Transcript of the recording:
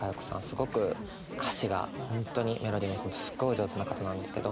すごく歌詞が本当にメロディーも含めてすごいお上手な方なんですけど。